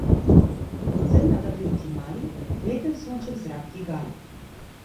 Од зрната билки мали - летен сончев зрак ги гали.